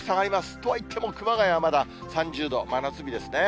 とはいっても、熊谷はまた３０度、真夏日ですね。